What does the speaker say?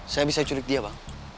saya bisa curik dia bang